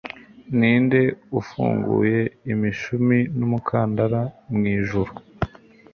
Ninde ufunguye imishumi n'umukandara mwijuru